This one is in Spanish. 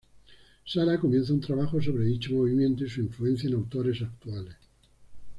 Sara comienza un trabajo sobre dicho movimiento y su influencia en autores actuales.